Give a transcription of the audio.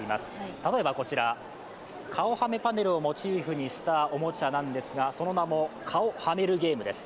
例えばこちら顔はめパネルをモチーフにしたおもちゃ何ですけれどもその名も顔、はめるゲームです。